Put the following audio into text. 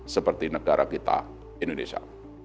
seperti negara kita indonesia